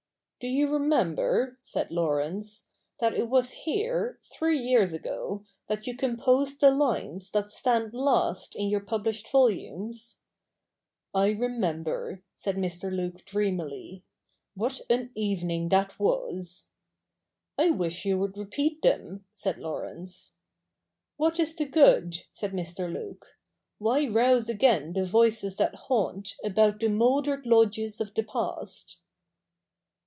' Do you remember,' said Laurence, ' that it was here, three years ago, that you composed the lines that stand last in your published volumes ?'' I remember,' said Mr. Luke dreamily. ' What an evening that was 1 '' I wash you would repeat them,' said Laurence. ' What is the good ?' said Mr. Luke ;' why rouse again the voices that haunt About the mouldered lodges of the past